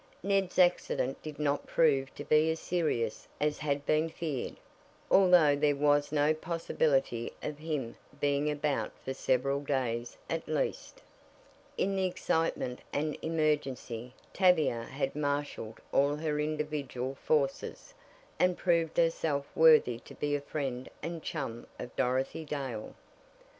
Ned's accident did not prove to be as serious as had been feared, although there was no possibility of him being about for several days, at least. In the excitement and emergency Tavia had marshaled all her individual forces, and proved herself worthy to be a friend and chum of Dorothy Dale.